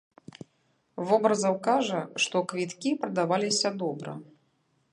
Вобразаў кажа, што квіткі прадаваліся добра.